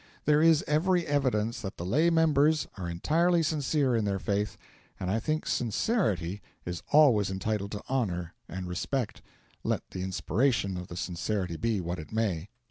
There is every evidence that the lay members are entirely sincere in their faith, and I think sincerity is always entitled to honour and respect, let the inspiration of the sincerity be what it may.